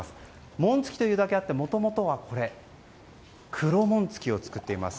紋付きというだけあってもともとは黒紋付きを作っています。